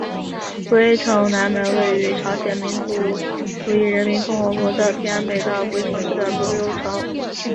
龟城南门位于朝鲜民主主义人民共和国的平安北道龟城市的龟州城。